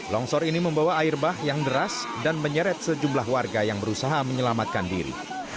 longsor ini membawa air bah yang deras dan menyeret sejumlah warga yang berusaha menyelamatkan diri